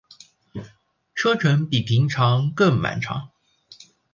车程比平常更漫长